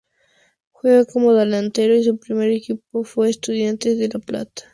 Juega como delantero y su primer equipo fue Estudiantes de La Plata.